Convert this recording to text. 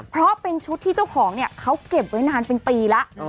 เพราะเป็นชุดที่เจ้าของเนี่ยเขาเก็บไว้นานเป็นปีแล้ว